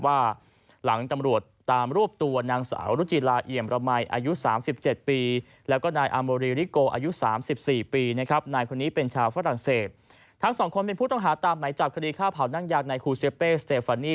ว่าหลังตำรวจตามรูปตัวนางสาวรุจิลาเหยียมระมัยอายุ๓๗ปี